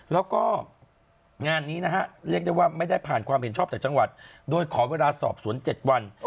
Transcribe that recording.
และผ่านความเห็นชอบจากจังหวัดโดนขอเวลาสอบสวน๗วัน